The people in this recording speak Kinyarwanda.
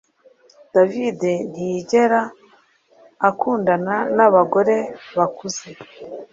David ntiyigera akundana nabagore bakuze